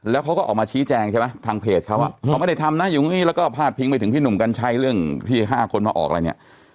แล้วเขาก็ออกมาชี้แจงใช่ไหมทางเพจเขาอ่ะเขาไม่ได้ทำนะอยู่ตรงนี้แล้วก็พาดพิงไปถึงพี่หนุ่มกัญชัยเรื่องที่๕คนมาออกอะไรเนี่ย